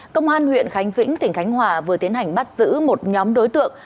công an huyện khánh vĩnh tỉnh khánh hòa vừa tiến hành bắt giữ một nhóm đối tượng